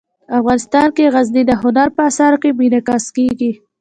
افغانستان کې غزني د هنر په اثار کې منعکس کېږي.